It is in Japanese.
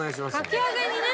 かき揚げにね。